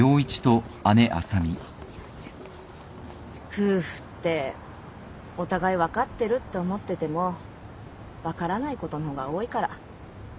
夫婦ってお互い分かってるって思ってても分からないことの方が多いから。